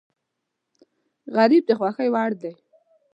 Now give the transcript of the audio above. غریب د خوښۍ وړ دی